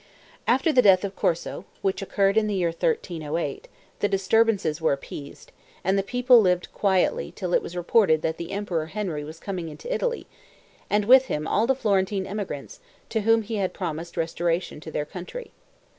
After the death of Corso, which occurred in the year 1308, the disturbances were appeased, and the people lived quietly till it was reported that the Emperor Henry was coming into Italy, and with him all the Florentine emigrants, to whom he had promised restoration to their country.